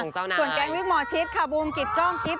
ส่วนแก๊งวิกหมอชิดค่ะบูมกิจกล้องกิ๊บ